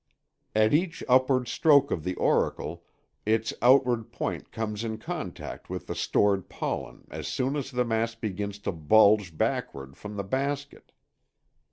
At each upward stroke of the auricle its outer point comes in contact with the stored pollen as soon as the mass begins to bulge backward from the basket.